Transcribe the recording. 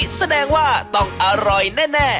แสดงว่าต้องอร่อยแน่